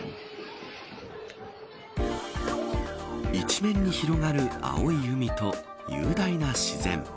一面に広がる青い海と雄大な自然。